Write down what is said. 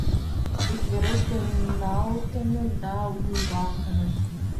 Иквереш варналтыныт да лугалтыныт.